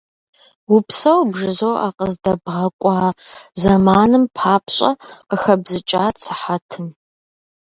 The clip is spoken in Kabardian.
Упсэу бжызоӀэ, къыздэбгъэкӀуа зэманым папщӀэ, - къыхэбзыкӀат сыхьэтым.